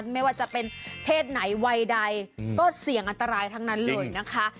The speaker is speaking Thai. ไม่ว่าจะเป็นเพศไหนวัยใดก็เสี่ยงอันตรายทั้งนั้นเลยนะคะ